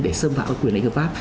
để xâm phạm quyền lãnh hợp pháp